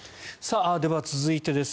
では、続いてです。